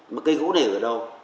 mà cây gỗ này ở đâu